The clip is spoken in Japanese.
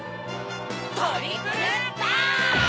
トリプルパンチ！